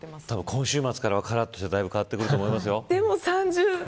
今週末からは、からっとして変わってくると思いますよ。